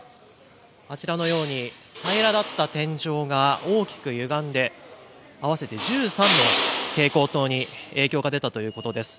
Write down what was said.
あちらのように平らだった天井が大きくゆがんで合わせて１３の蛍光灯に影響が出たということです。